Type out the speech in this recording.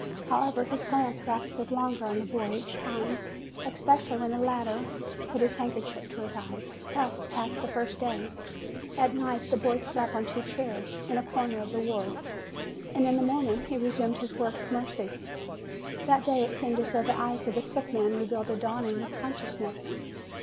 However, his glance rested longer on the lad each time, especially when the latter put his handkerchief to his eyes. Thus passed the first day. At night the boy slept on two chairs, in a corner of the ward, and in the morning he resumed his work of mercy. That day it seemed as though the eyes of the sick man revealed a dawning of consciousness.